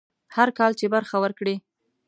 هر کال چې برخه ورکړي.